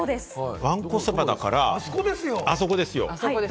わんこそばだから、あそこですよ。